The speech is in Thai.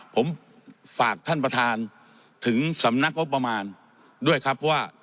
ผมฝากท่านประธานถึงสำนักงบประมาณด้วยครับว่า